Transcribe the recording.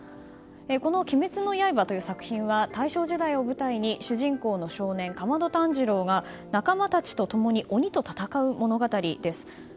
この「鬼滅の刃」という作品は大正時代を舞台に主人公の少年・竈門炭治郎が仲間たちと共に鬼と戦う物語です。